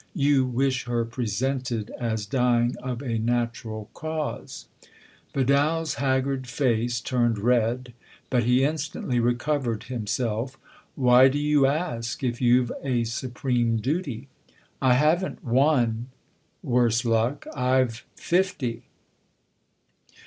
" You wish her presented as dying of a natural cause ?" Vidal's haggard face turned red, but he instantly recovered himself. " Why do you ask, if you've a supreme duty ?"" I haven't one worse luck. I've fifty."